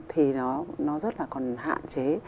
thì nó rất là còn hạn chế